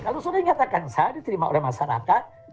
kalau sudah dinyatakan sah diterima oleh masyarakat